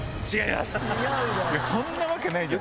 そんなわけないじゃん。